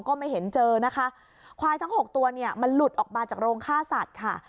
ก็ไม่เห็นเจอนะคะควายทั้งหกตัวเนี่ยมันหลุดออกมาจากโรงฆ่าสัตว์ค่ะ